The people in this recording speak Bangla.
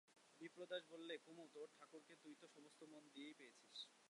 বিপ্রদাস বললে, কুমু, তোর ঠাকুরকে তুই তো সমস্ত মন দিয়েই পেয়েছিস।